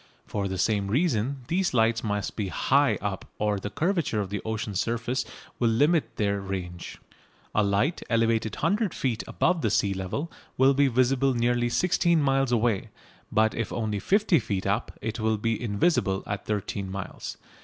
For the same reason these lights must be high up, or the curvature of the ocean's surface will limit their range. A light elevated 100 feet above the sea level will be visible nearly 16 miles away, but if only 50 feet up it will be invisible at 13 miles.